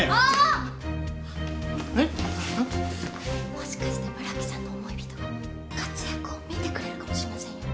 もしかして村木さんの思い人が活躍を見てくれるかもしれませんよ。